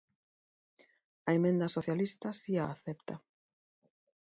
A emenda socialista si a acepta.